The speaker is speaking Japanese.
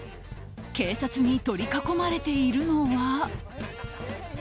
警察に取り囲まれているのは。